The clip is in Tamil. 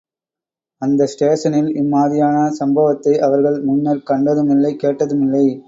அந்த ஸ்டேஷனில் இம்மாதிரியான சம்பவத்தை அவர்கள் முன்னர் கண்டதுமில்லை, கேட்டதுமில்லை.